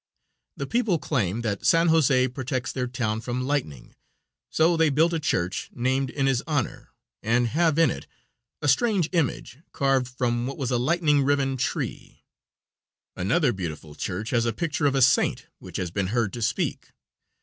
The people claim that San Jose protects their town from lightning, so they built a church named in his honor, and have in it a strange image carved from what was a lightning riven tree. Another beautiful church has a picture of a saint which has been heard to speak.